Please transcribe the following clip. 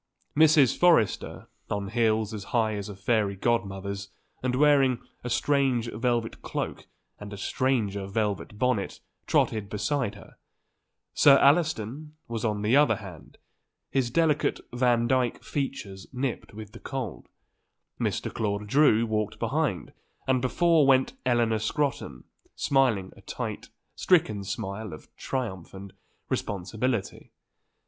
Mrs. Forrester, on heels as high as a fairy godmother's and wearing a strange velvet cloak and a stranger velvet bonnet, trotted beside her; Sir Alliston was on the other hand, his delicate Vandyke features nipped with the cold; Mr. Claude Drew walked behind and before went Eleanor Scrotton, smiling a tight, stricken smile of triumph and responsibility.